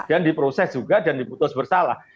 dan diproses juga dan diputus bersalah